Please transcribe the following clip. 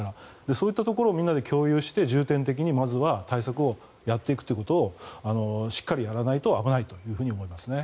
そういうところをみんなで共有して重点的に対策をやっていくってことをしっかりやらないと危ないと思いますね。